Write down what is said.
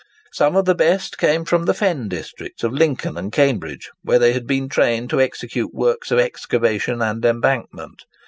Some of the best came from the fen districts of Lincoln and Cambridge, where they had been trained to execute works of excavation and embankment.